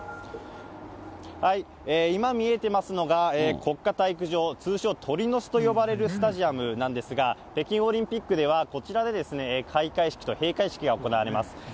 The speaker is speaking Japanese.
今、見えていますのが国家体育場、通称、鳥の巣と呼ばれるスタジアムなんですが、北京オリンピックでは、こちらで開会式と閉会式が行われます。